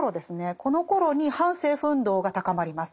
このころに反政府運動が高まります。